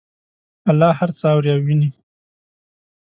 الله هر څه اوري او ویني